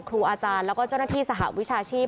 ครูอาจารย์แล้วก็เจ้าหน้าที่สหวิชาชีพ